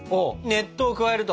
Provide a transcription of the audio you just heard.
熱湯を加えると！